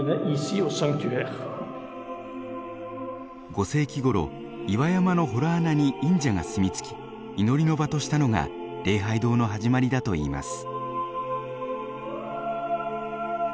５世紀ごろ岩山の洞穴に隠者が住み着き祈りの場としたのが礼拝堂の始まりだといいます。